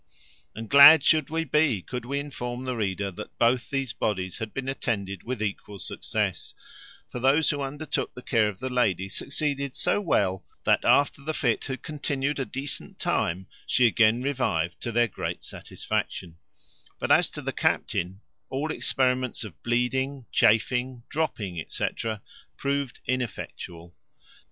And glad should we be, could we inform the reader that both these bodies had been attended with equal success; for those who undertook the care of the lady succeeded so well, that, after the fit had continued a decent time, she again revived, to their great satisfaction: but as to the captain, all experiments of bleeding, chafing, dropping, &c., proved ineffectual.